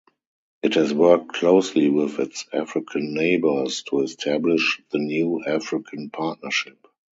It has worked closely with its African neighbors to establish the New African Partnership.